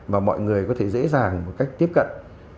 và mọi người có thể dễ dàng một cách tiếp cận